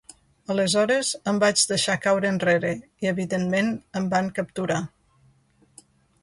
Aleshores em vaig deixar caure enrere, i evidentment, em van capturar.